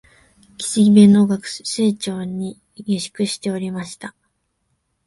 岸辺の学生町に下宿しておりました